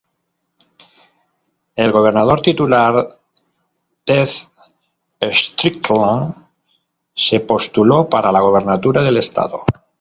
El gobernador titular Ted Strickland se postuló para la gobernatura del estado.